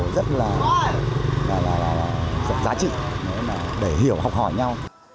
rất là giá trị để hiểu học hỏi nhau